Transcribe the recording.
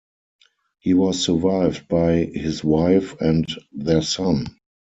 He was survived by his wife and their son.